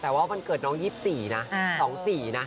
แต่ว่าวันเกิดน้อง๒๔นะ๒๔นะ